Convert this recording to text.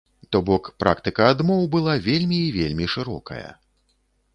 То бок, практыка адмоў была вельмі і вельмі шырокая.